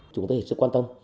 chúng tôi rất quan tâm